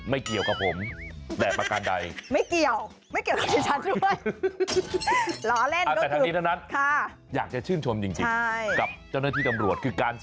ไม่เกี่ยวกับผมแต่ประการใด